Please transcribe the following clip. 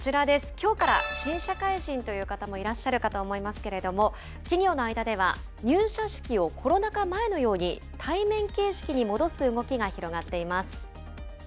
きょうから新社会人という方もいらっしゃると思いますけれども、企業の間では、入社式をコロナ禍前のように対面形式に戻す動きが広がっています。